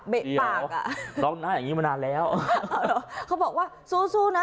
ปากอ่ะร้องหน้าอย่างงี้มานานแล้วเขาบอกว่าสู้สู้นะ